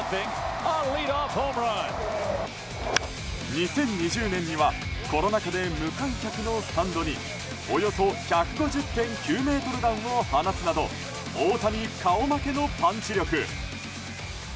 ２０２０年にはコロナ禍で無観客のスタンドにおよそ１５０．９ｍ弾を放つなど大谷顔負けのパンチ力。